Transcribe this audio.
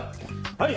はい！